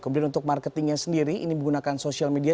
kemudian untuk marketingnya sendiri ini menggunakan sosial media